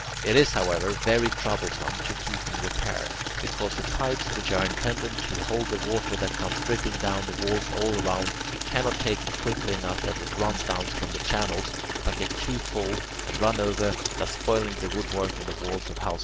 It is, however, very troublesome to keep in repair, because the pipes, which are intended to hold the water that comes dripping down the walls all round, cannot take it quickly enough as it runs down from the channels, but get too full and run over, thus spoiling the woodwork and the walls of houses of this style.